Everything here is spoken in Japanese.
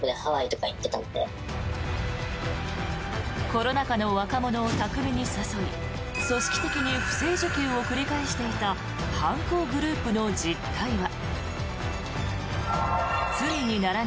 コロナ禍の若者を巧みに誘い組織的に不正受給を繰り返していた犯行グループの実態は。